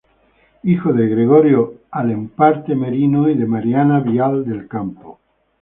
Hijo de Gregorio Alemparte Merino y de Mariana Vial del Campo.